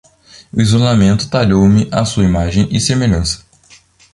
O isolamento talhou-me à sua imagem e semelhança.